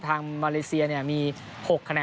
ทางเมริเศียยามี๖คะแนน